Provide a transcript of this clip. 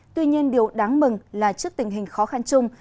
tuy nhiên điều đáng mừng là trước tình hình khó khăn chung